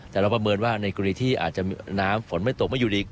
แต่เราประเมินว่าในกรณีที่น้ำฝนไม่ตกไม่อยู่อีก